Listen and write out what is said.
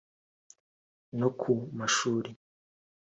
no ku mashuri